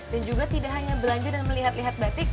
dan juga tidak hanya belanja dan melihat lihat batik